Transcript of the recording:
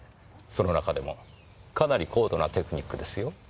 その中でもかなり高度なテクニックですよ。